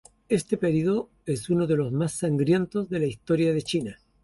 Este período es uno de los más sangrientos de la historia de China.